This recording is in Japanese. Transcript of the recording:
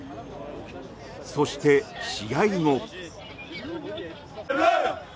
そして試合後。